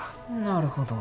なるほど。